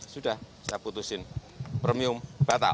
saya putusin premium batal